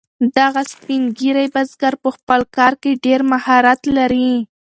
دغه سپین ږیری بزګر په خپل کار کې ډیر مهارت لري.